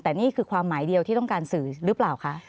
แต่นี่คือความหมายเดียวที่ต้องการสื่อหรือเปล่าคะ